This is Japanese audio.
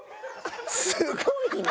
すごいな。